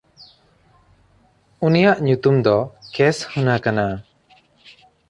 ᱩᱱᱤᱭᱟᱜ ᱧᱩᱛᱩᱢ ᱫᱚ ᱠᱮᱥᱦᱩᱱᱟ ᱠᱟᱱᱟ᱾